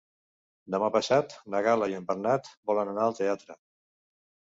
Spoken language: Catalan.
Demà passat na Gal·la i en Bernat volen anar al teatre.